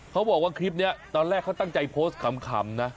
เขาบอกว่าคลิปนี้ตอนแรกเขาตั้งใจโพสต์ขำนะ